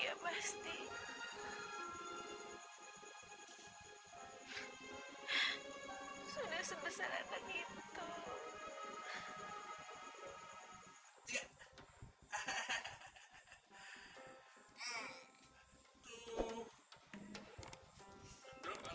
amin ya tuhan